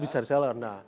bisa di selar